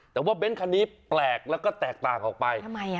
แต่ว่าเบ้นคันนี้แปลกแล้วก็แตกต่างออกไปทำไมอ่ะ